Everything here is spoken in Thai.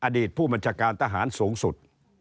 อดีตผู้บัญชาการทหารสูงสุด